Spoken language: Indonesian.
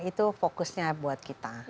itu fokusnya buat kita